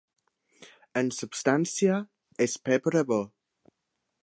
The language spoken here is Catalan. En substància!... és pebre bo.